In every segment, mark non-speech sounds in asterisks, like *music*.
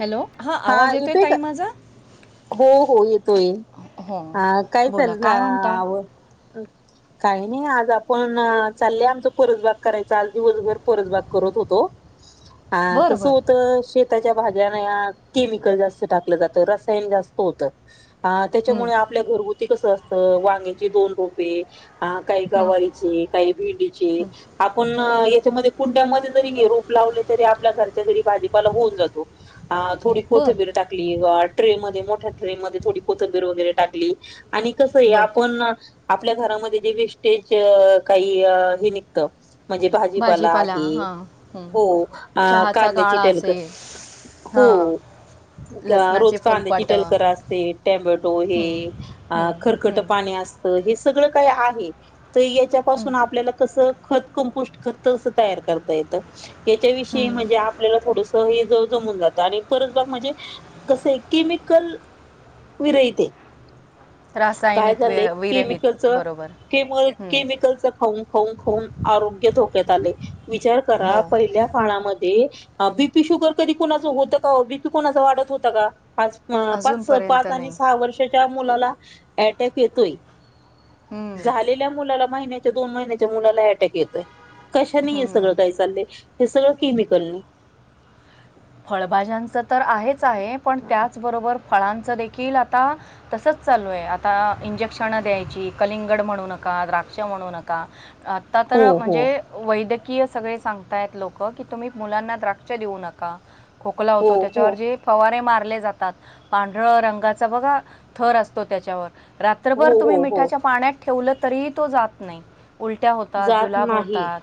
Hello! हा आवाज येतोय ताई माझा? हो हो येतोय. हो अ काय बोला चाल म्हणताय आव काही नाही आज आपण चाललेय आमच परजबाग करायच आज दिवसभर परजबाग करत होतो. हा बरं कस होत शेताच्या भाज्यांना या केमिकल जास्त टाकलं जात रसायन जास्त होत आ बरं त्याच्यामुळे आप ल्या घरगुती कस असत वांगेची दोन रोपे, काही हां गवा रिचे, काही भेंडीचे आपण याच्यामध्ये कुंड्यामध्ये जरी हे रोप लावले तरी आपल्या घरच्या घरी भाजीपाला होऊन जातो. हा. थोडी बरं कोथंबीर टाकली ट्रे मध्ये मोठ्या ट्रे मध्ये थोडी कोथंबीर वगैरे टाकली आणि कस तरी बरं आपण आपल्या घरामध्ये जे वेस्टेज काही हे निघत म्हणजे भाजीपाला आहे हां हं. हो अह चहाचा कांद्याची गाळा टलक असेल हो हां लसणाचे रोज कांद्याची फुलपाटं टलकर असते टॉमेटो हे हं, अह हं, खरखकट हं, पाणी असतं हे सगळं काय आहे. तर हं, याच्यापासून आपल्याला कसं खत कंपोस्ट खत अस तयार करता येतं याच्याविषयी हं. म्हणजे आपल्याला थोडस हे ज जमून जातं आणि परसबाग म्हणजे कसं आहे केमिकल विरहित आहे. काय रासायनिक वे झालंय केमिकलच विरहित बरोबर केम हं, केमिकलचं खाऊन खाऊन खाऊन आरोग्य धोक्यात आलय. विचार करा हो पहिल्या काळामध्ये हा बी पी शुगर कधी कोणाचं होतं का ओ, बी पी कोणाचा वाढत होता का आज अ पाच अजूनपर्यंत पाच आणि नाही सहा वर्षाच्या मुलाला अटॅक येतोय हं, झालेल्या मुलाला महिन्याच्या दोन महिन्याच्या मुलाला अटॅक येतोय. कशाने हे सगळं हं, काही चाललंय? हे सगळं केमिकलने. फळभाज्यांचं तर आहेच आहे पण त्याचबरोबर फळांचं देखील आता तसच चालू आहे. आता इंजेक्शनं द्यायची कलिंगड म्हणू नका, द्राक्ष म्हणू नका आ आता हो तर हो म्हणजे वैद्यकीय सगळे सांगताय आहेत लोकं की तुम्ही मुलांना द्राक्ष देऊ नका खोकला हो होतो हो त्याच्यावर जे फवारे मारले जातात. पांढरं रंगाचा बघा थर असतो त्याच्यावर हो रात्रभर तुम्ही हो हो मिठाच्या पाण्यात ठेवलं तरीही तो जात नाही. उलट्या होतात, जात जुलाब नाही. होतात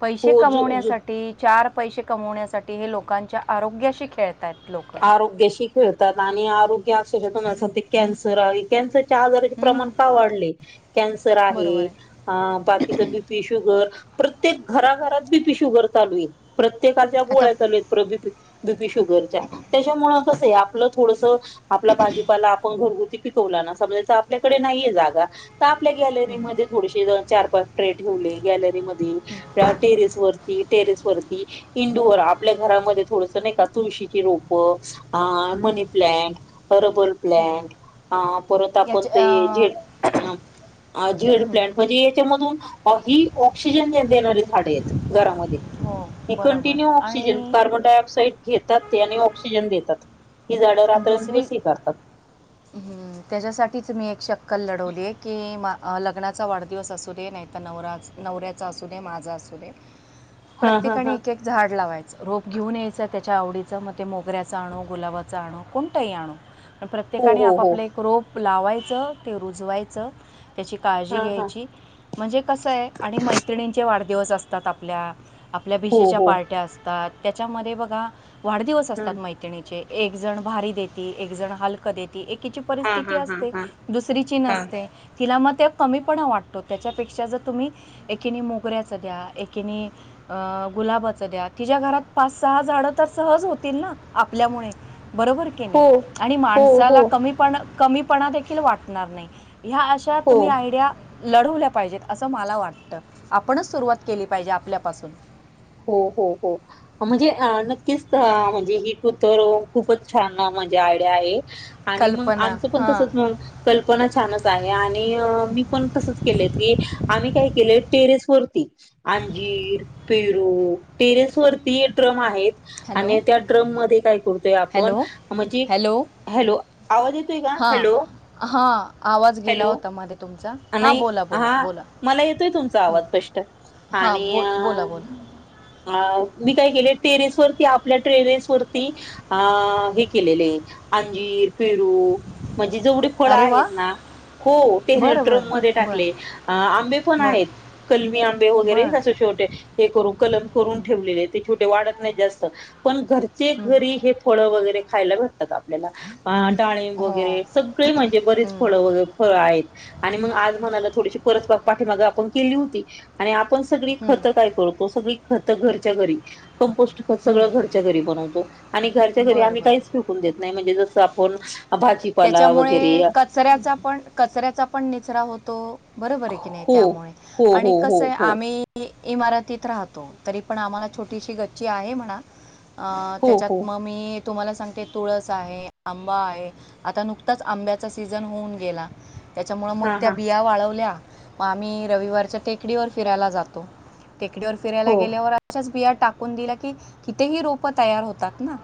पैसे हो जु जु कमवण्यासाठी चार पैसे कमवण्यासाठी हे लोकांच्या आरोग्याशी खेळताहेत लोकं आरोग्याशी खेळतात आणि आरोग्य अक्षरशः तुम्हाला सांगते कॅन्सर आणि कॅन्सरच्या आजाराचे हम्म, प्रमाण का वाढले. कॅन्सर आहे अह बाकीच बी पी शुगर. प्रत्येक घराघरात बी पी शुगर चालू आहे प्रत्येकाच्या आता गोळ्या चालू आहेत प्र बी पी बी पी शुगरच्या त्याच्यामुळे कस आहे आपलं थोडस आपला भाजीपाला आपण घरगुती पिकवला ना समजा आपल्याकडे नाहीये जागा तर आपल्या गॅलरीमध्ये थोडेसे दोन चार पाच ट्रे ठेवले गॅलरी मध्ये किंवा टेरेस वर टेरेस वरती इंडोअर आपल्या घरामध्ये थोडस नाही का तुळशीची रोप अ हम्म. मनी प्लांट हर्बल प्लांट अ परत आपण याच्या ते झेड अं, अ झेड प्लंट म्हणजे याच्यामधून अ ह ऑक्सिजन ज देणारे झाडे आहेत घरामध्ये हो बरोबर कंटिन्यू आहे ऑक्सिजन आणि कार्बन डाय ऑक्साइड घेतात ते आणि ऑक्सिजन देतात ही झाडं दुसरी रात्रंदिवस हे करतात. त्याच्यासाठीच मी एक शक्कल लढवली आहे की मा लग्नाचा वाढदिवस असूदे नाहीतर, आता नवराच नवऱ्याचा असूदे माझा असूदे *unintelligible* हा प्रत्येकाने एक एक झाड लावायचं रोप घेऊन यायचं त्याच्या आवडीचं मग ते मोगऱ्याचा आणो गुलाबाच जाणू कोणतंही आणो पण हो प्रत्येकाने हो हो आपापले एक रोप लावायचं ते रुजवायचं त्याची काळजी हा हा घ्यायची‍, म्हणजे कसं आहे आणि मैत्रिणींचे वाढदिवस असतात आपल्या, आपल्या हो भीजीच्या हो. पार्ट्या असतात त्याच्यामध्ये बघा वाढदिवस हा असतात मैत्रिणी एक जण भारी देती एक जण हलकं देते एकीची परिस्थिती हा हा असते हा दुसरीची हा नसते. तिला मग ते कमीपणा वाटतो त्याच्यापेक्षा जर तुम्ही एकिणी मोगऱ्याच द्या एकीणे अ गुलाबाच द्या तिच्या घरात पाच सहा झाडं तर सहज होतील ना आपल्यामुळे. बरोबर के नाही हो आणि हो हो माणसाला कमी पण कमीपणा देखील वाटणार नाही ह्या अशा हो. तुम्ही आयडिया लढवल्या पाहिजेत असं मला वाटत आपणच सुरुवात केली पाहिजे आपल्यापासून. हो हो हो म्हणजे नक्कीच म्हणजे ही *inaudible* खूपच छान म्हणजे आयडिया आहे. आणि मग कल्पना आमचं पण हां तसंच मग कल्पना छानच आहे आणि मी पण तसचं केलत की आम्ही काय केलंय टेरेस वरती अंजीर पे टेरेस वरती ट्रम आहेत. हॅलो आणि त्या ड्रम मध्ये काय करतोय आपण हॅलो म्हजी हॅलो हॅलो आवाज येतोय का? हां हॅलो हां आवाज गेला हॅलो होता मध्ये तुमचा अ हां नाही बोला बोला हा बोला मला येतोय तुमचा हं. आवाज स्पष्ट. हां आणि बोल अ बोला बोला अ मी काय केलंय टेरेस वरती आपल्या टेरेस वरती अ हे केलेले आहे अंजीर पेरू म्हणजे जेवढे फळ अरे वा आहेत ना हो ते बरं ट्रम मध्ये बरं बरं टाकले आंबे पण आहेत. बरं कलमी आंबे वगैरे बरं असे छोटे हे करून कलम करून ठेवलेले ते छोटे वाढत नाही जास्त पण घरचे हं. घरी हे फळं वगैरे खायला भेटतात आपल्याला डाळींब हो वगैरे सगळी म्हणजे बरेच हं, फळं वगैर फळ आहित आणि मग आज म्हणाला थोडीशी परस पाठीमाग आपण केली होती. आणि आपण सगळी हं, खतं काय करूतो सगळी खतं घरच्या घरी कंपोस्ट हं. सगळं घरच्या घरी बनवतो आणि घरच्या घरी बरं आम्ही बरं काहीच फेकून देत नाही म्हणजे जस आपण भाजीपाला वगैरे त्याच्यामुळे कचऱ्याचा पण कचऱ्याचा पण निचरा होतो बरोबर आहे की नाही हो त्यामुळे हो आणि हो कस हो आहे हो आम्ही इमारतीत राहतो तरी पण आम्हाला छोटीशी गच्ची आहे म्हणा. अ हो त्याच्यात हो मग मी तुम्हाला सांगते तुळस आहे आंबा आहे, आता नुकताच आंब्याचा सीझन होऊन गेला, त्याच्यामूळं मग हा त्या हा बिया वाळवल्या म आम्ही रविवारच्या टेकडीवर फिरायला जातो, टेकडीवर फिरायला हो गेल्यावर आ अशाच बिया टाकून दिल्या की, कितीही रोपं तयार होतात ना.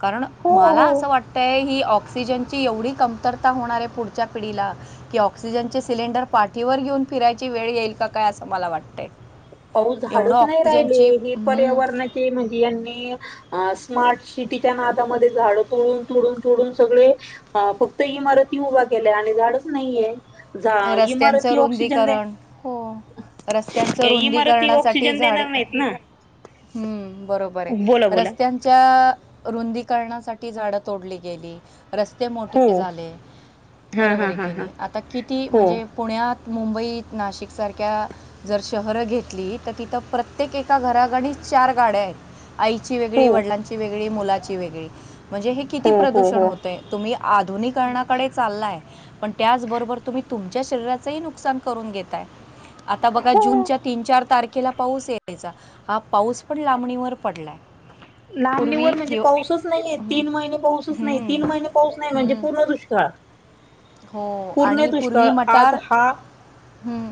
कारण, हो मला हो असं वाटतंय ही ऑक्सिजनची एवढी कमतरता होणार आहे पुढच्या पिढीला कि ऑक्सिजनचे सिलेंडर पाठीवर घेऊन फिरायची वेळ येईल का काय असं मला वाटतंय. पाऊस, एवढं झाडंच नाही राहिले ऑक्सिजनची हे हम्म, पर्यावरणाचे म्हणजे यांनी अ स्मार्ट शिटीच्या नादामधे झाडं तुडून तुडून तुडून सगळे आ फक्त इमारती उभा केल्या आणि झाडंच नाहीये. धा रस्त्यांचं इमारती ऑक्सिजन दे रुंदीकरण हो रस्त्यांचं *unintelligible* इमा तीन रुंदीकरणासाठी ऑक्सिजन झाडे देणार नाहीत ना? त हम्म बरोबर आहे, बोला रस्त्यांनी त्या रुंदीकरणासाठी झाडं तोडली गेली. रस्ते हो मोठे झाले हा बरोबर हा आहे हा की हा नाही, आता किती हो म्हणजे पुण्यात, मुंबईत, नाशिकसारख्या जर शहररं घेतली तर तिथं प्रत्येक एका घरागणिज चार गाड्यायत. आईची वेगळी, हो वडलांची वेगळी, मुलाची वेगळी. म्हणजे हे किती हो हो प्रदूषण हो होतंय, तुम्ही आधुनिकरणाकडेच चाल्लाय, पण त्याच बरोबर तुमी तुमच्या शरीराचंही नुकसान करून घेताय. आता बघा हो जूनच्या तीन चार तारखेला पाऊस येतेचा. हा पाऊस पण लांबणीवर पडलाय. लांबणीवर म्हणजे पाऊसच नाहीयेय, हम्म, तीन महिने पाऊसच नाहीयेय, तीन हम्म, महिने पाऊस नाही म्हणजे हम्म. पूर्ण दुष्काळ. हो पूर्णे आणि दुष्काळ, पूर्वी आज मटार हा हम्म.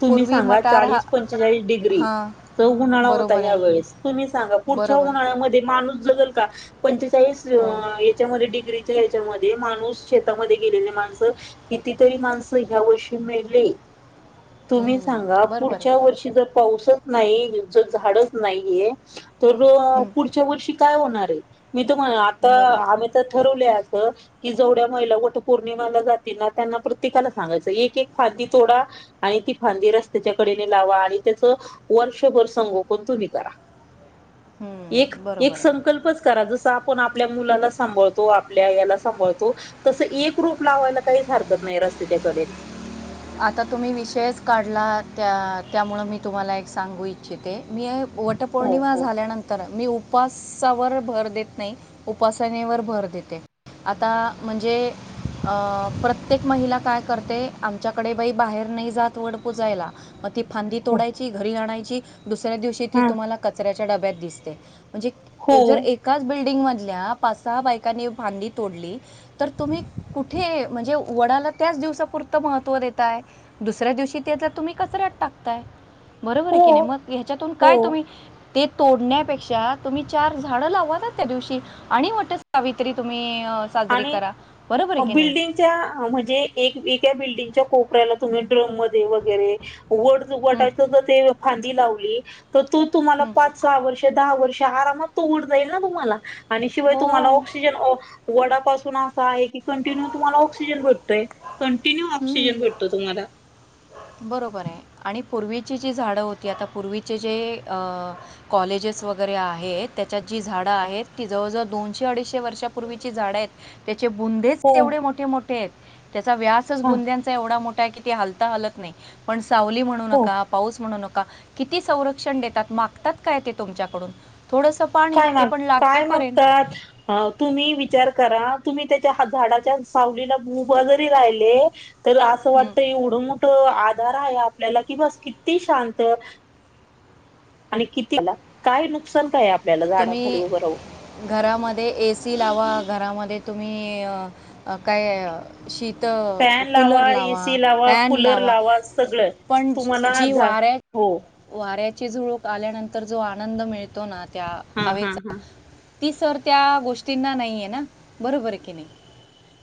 तुम्ही पूर्वी सांगा, मटार हा चाळीस पंचेचाळीस डिग्री हां त उन्हाळ होता बरोबर ह्या आहे वेळेस, तुम्ही सांगा पुढच्या बरोबर उन्हाळ्यामध्ये माणूस जगल का? पंचेचाळीस हो त्यामधे डिग्रीच्या याच्यामध्ये माणूस, शेतामध्ये गेलेले माणसं कितीतरी माणसं ह्या वर्षी मेले. तुम्ही सांगा, बरोबर पुढच्या वर्षी जर पाऊसच नाही, जर झाडंच नाहीये तर, आहे पुढच्या वर्षी काय होणारेय? मी तुम्हाला आता बरं आम्ही तर ठरवल असं कि, जवढ्या महिला वटपौर्णिमाला जातील ना त्यांना प्रत्येकाला सांगायचं, एक एक फांदी तोडा आणि ती फांदी रस्त्याच्या कडेने लावा आणि त्याचं वर्षभर संगोपण तुम्ही करा. एक एक बरोबर आहे संकल्पच करा जसं आपण आपल्या मुलाला सांबाळतो, आपल्या याला सांबाळतो तसं एक रोप लावायला काहीच हरकत नाही रस्तेच्याकडेने. आता तुम्ही विषयच काढला त्या त्यामुळं मी तुम्हाला एक सांगू इच्छिते, मी आहे हो वटपोर्णिमा हो झाल्यानंत तर मी उपस्सावर भर देत नाही, उपासनेवर भर देते. आता म्हणजे अ प्रत्येक महिला काय करते आ आमच्याकडे बाई बाहेर नाही जात वड पूजायला, मग ती फांदी हो. तोडायची, घरी आणायची दुसऱ्या दिवशी ती हा तुम्हाला कचऱ्याच्या डब्यात दिसते, हो म्हणजे जर एक काच बिल्डिंग मधल्या पाच सहा बायकांनी फांदी तोडली तर तुम्ही कुठे, म्हणजे वडाला त्याच दिवसापुरतं महत्व त्व देताय, दुसऱ्या दिवशीे ते त तुम्ही कचऱ्यात टाकताय बरोबर आहे की नाही? हो मग ह्याच्यातून हो काय तुम्ही ते तोडण्यापेक्षा तुम्ही चार झाडं लावा ना त्या दिवशी. आणि वट सावित्री तुम्ही साजरी आणि करा, बरोबर आहे की नाही? म्हणजे एका बिल्डिंगच्या कोपऱ्याला तुम्ही ड्रम मध्ये वगैरे वड हम्म, वटाच जर ते फांदी लावली तर तो तुम्हाला हम्म. पाच सहा वर्ष, दहा वर्ष आरामात तो वड जाईल ना तुम्हाला आणि शिवाय तुम्हाला हो ऑक्सिजन वडापासून असं आहे की कंटिन्यू तुम्हाला ऑक्सिजन भेटतोय. कंटिन्यू हम्म. ऑक्सिजन भेटतो तुम्हाला बरोबर आहे आणि पूर्वीची जी झाडं होती आता पूर्वीचे जे अ कॉलेजेस वगैरे आहेत त्याच्यात जी झाडं आहेत ती जवळजवळ दोनशे, अडीचशे वर्षापूर्वीची झाडं आहेत. त्याचे बुंदेच हो एवढे मोठे मोठे आहेत त्याचा व्यासच हा बुंद्यांचा एवढा मोठा आहे कि हालता हलत नाही पण सावली म्हणू हो नका. पाऊस म्हणूका किती संरक्षण देतात मागतात काय ते तुमच्याकडून थोडस काय माग काय मागतात? हा तुम्ही विचार करा तुम्ही त्याच्या झाडाच्या सावलीला ऊभ जरी राहिले तर असं हं. वाटत एवढं मोठं आधार आहे आपल्याला की बस किती शांत आणि कितीला काय नुकसान काय आपल्याला झाडांखाली तुम्ही उभं राहून घरामध्ये एसी लावा घरामध्ये तुम्ही काय शीतं फॅन कूलर लावा, एसी लावा फॅन कूलर लावा. सगळं पण तुम्हाला जी झाड वाऱ्या हो. वाऱ्याची झुळूक आल्यानंतर जो आनंद मिळतो ना त्या हम्म हम हवेचा ह ती सर त्या गोष्टींना नाही आहे ना बरोबर आहे की नाही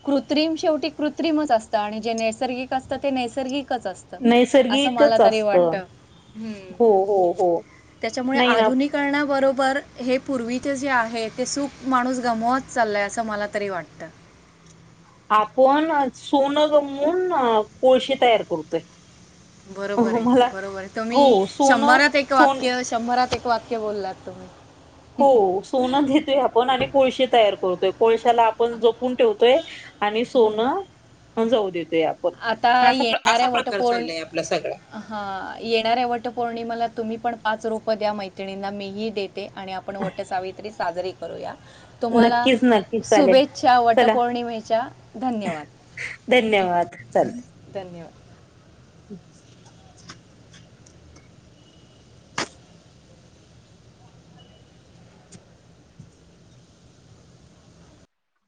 कृत्रिम शेवटी कृत्रिमच असत आणि जे नैसर्गिक असत ते नैसर्गिकच असतं. असं मला नैसर्गिकच तरी वाटत असतं हम्म हो हो हो त्याच्यामुळे नाही ना आधुनिक करणाबरोबर हे पूर्वीचे जे आहे ते सुख माणूस गमवत चाललाय असं मला तरी वाटतं. आपण सोनं गमवून कोळशे तयार करतोय. बरोबर मला आहे बरोबर आहे तुम्ही हो सोनं शंभरात एक सोन वाक्य शंभरात एक वाक्य बोललात. तुम्ही हो सोनं देतोय आपण आणि कोळशीे तयार करतोय कोळश्याला आपण जपून ठेवतोय. आणि सोनं जाऊ देतोय आपण आता असा असा प्रकार चाललाय आपला सगळा हा येणाऱ्या वट पौर्णिमाला तुम्ही पण पाच रोप द्या मैत्रिणींना मी ही देे ते आणि आपण वट सावित्री साजरी करूया. तुम्हाला नक्कीच नक्कीच चालेल शुभेच्छा चला वटपौर्णिमेच्या धन्यवाद धन्यवाद चालेल धन्यवाद *inaudible*